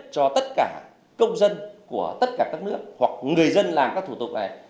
cho tất cả công dân của tất cả các nước hoặc người dân làm các thủ tục này